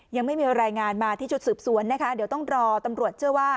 ยังไม่มีรายงานมาที่ชุดสืบสวนนะคะเดี๋ยวต้องรอตำรวจเชื่อว่า